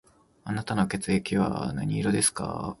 あなたの血の色は何色ですか